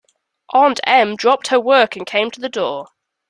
Aunt Em dropped her work and came to the door.